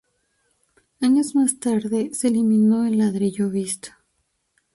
Años más tarde se eliminó el ladrillo visto.